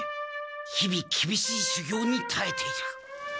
日々きびしい修行にたえている。